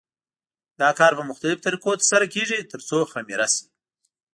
دا کار په مختلفو طریقو تر سره کېږي ترڅو خمېره شي.